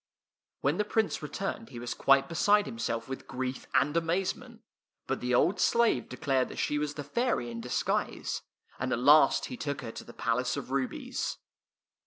When the Prince returned he was quite beside himself with grief and amazement; but the old slave declared that she was the fairy in disguise, and at last he took her to the Palace of Rubies.